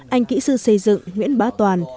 anh kỹ sư xây dựng nguyễn bá toàn